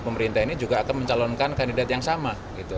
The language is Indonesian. pemerintah ini juga akan mencalonkan kandidat yang sama